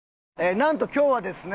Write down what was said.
なんと今日はですね